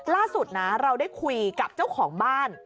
ล่าสุดนะเราได้คุยกับเจ้าของบ้าน